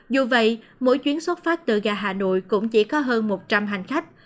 dù vậy mỗi chuyến xuất phát từ ga hà nội cũng chỉ có hơn một trăm linh hành khách